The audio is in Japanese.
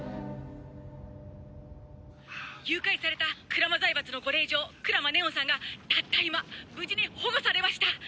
「誘拐された鞍馬財閥のご令嬢鞍馬祢音さんがたった今無事に保護されました！」